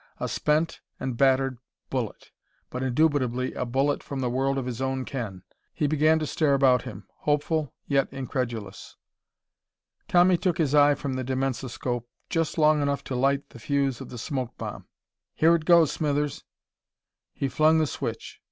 A spent and battered bullet, but indubitably a bullet from the world of his own ken. He began to stare about him, hopeful yet incredulous. Tommy took his eye from the dimensoscope just long enough to light the fuse of the smoke bomb. "Here it goes, Smithers!" He flung the switch.